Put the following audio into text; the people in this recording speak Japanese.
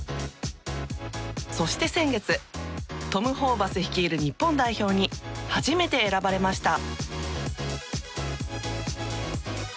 そして先月トム・ホーバス率いる日本代表に初めて選ばれました。